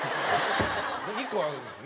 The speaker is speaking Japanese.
２個あるんですね？